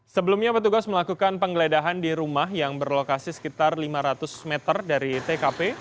sebelumnya petugas melakukan penggeledahan di rumah yang berlokasi sekitar lima ratus meter dari tkp